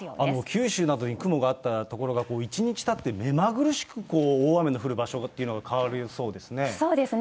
九州などに雲があった所が、１日たって目まぐるしく大雨の降る場所というのが変わる予想です